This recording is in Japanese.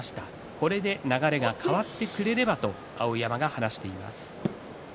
これで流れが変わってくれればと話しています。